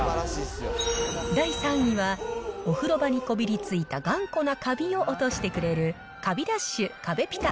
第３位は、お風呂場にこびりついた頑固なカビを落としてくれる、カビダッシュ壁ピタッ！